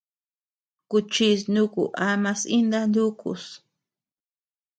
Kuchis nuku ama sï ndá nukus.